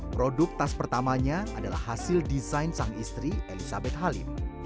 produk tas pertamanya adalah hasil desain sang istri elizabeth halim